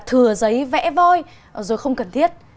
thừa giấy vẽ voi rồi không cần thiết